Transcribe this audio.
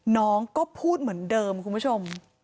น้องก็พูดเหมือนเดิมคุณผู้ชม